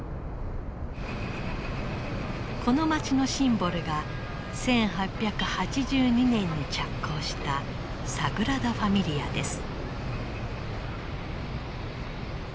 この町のシンボルが１８８２年に着工したサグラダ・ファミリアです。